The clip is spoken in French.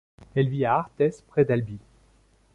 Elle vit à Arthès, près d'Albi.